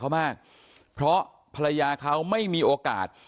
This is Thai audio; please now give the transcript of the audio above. เขามากเพราะภรรยาเขาไม่มีโอกาส